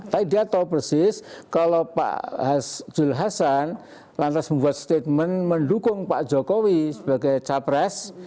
dan dia tahu proses kalau pak jules hassan lantas membuat statement mendukung pak jokowi sebagai capres